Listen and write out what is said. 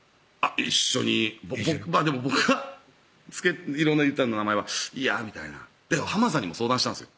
一緒に僕が色んな言った名前は「いや」みたいな浜田さんにも相談したんですよ